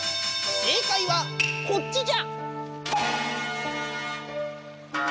正解はこっちじゃ！